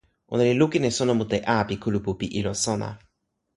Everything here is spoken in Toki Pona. ona li lukin e sona mute a pi kulupu pi ilo sona.